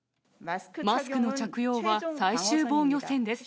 マスクの着用は最終防御線です。